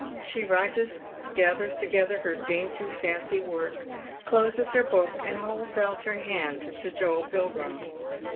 She rises, gathers together her dainty fancy work, closes her book, and holds out her hand to Joel Pilgrim.